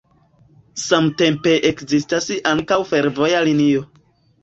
Samtempe ekzistas ankaŭ fervoja linio.